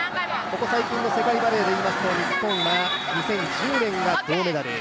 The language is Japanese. ここ最近の世界バレーでいいますと日本は、２０１０年は銅メダル。